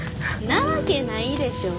なわけないでしょ。